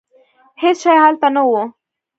هېڅ شی هلته نه و.